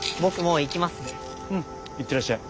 うん行ってらっしゃい。